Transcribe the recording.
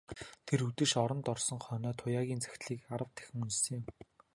Тэр үдэш оронд орсон хойноо Туяагийн захидлыг арав дахин уншсан юм.